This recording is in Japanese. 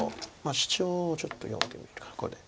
シチョウをちょっと読んでみるかここで。